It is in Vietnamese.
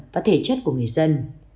và thể chất của người dân